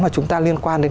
mà chúng ta liên quan đến